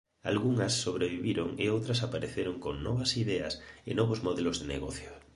Algunhas sobreviviron e outras apareceron con novas ideas e novos modelos de negocio.